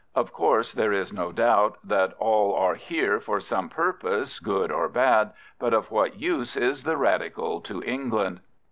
Of course, there is no doubt that all are here for some purpose, good or bad, but of what use is the Radical to England?